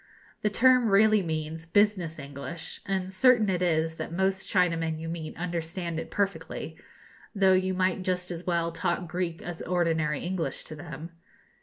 The term really means 'business English;' and certain it is that most Chinamen you meet understand it perfectly, though you might just as well talk Greek as ordinary English to them.